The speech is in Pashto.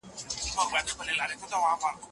ولي ميرمن بايد امرمنونکې وي؟